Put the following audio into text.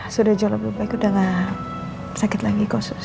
sudah jauh lebih baik udah gak sakit lagi